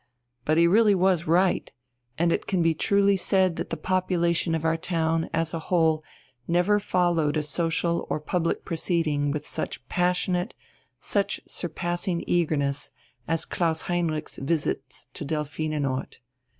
But he really was right, and it can be truly said that the population of our town as a whole never followed a social or public proceeding with such passionate, such surpassing eagerness as Klaus Heinrich's visits to Delphinenort.